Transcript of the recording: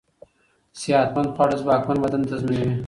صحتمند خواړه ځواکمن بدن تضمينوي.